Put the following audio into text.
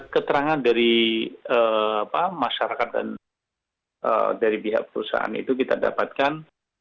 keterangan dari masyarakat dan dari pihak perusahaan itu kita dapatkan tiga puluh satu